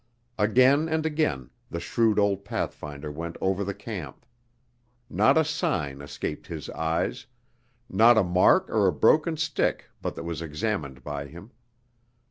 Again and again the shrewd old pathfinder went over the camp. Not a sign escaped his eyes, not a mark or a broken stick but that was examined by him.